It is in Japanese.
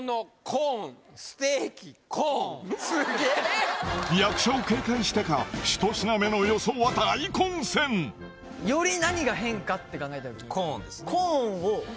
コーンすげえ役者を警戒してか１品目の予想は大混戦より何が変かって考えた時にコーンです